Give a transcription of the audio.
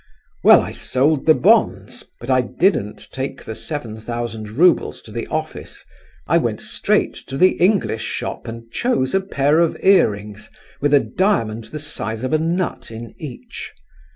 Well, I sold the bonds, but I didn't take the seven thousand roubles to the office; I went straight to the English shop and chose a pair of earrings, with a diamond the size of a nut in each.